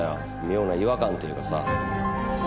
妙な違和感というかさ。